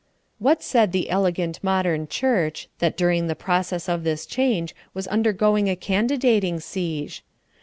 What said the elegant modern church, that during the process of this change was undergoing a candidating siege?